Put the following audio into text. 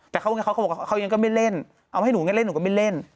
แต่เขายังก็ไม่เล่นเอาให้หนูก็เล่นหนูก็ไม่เล่น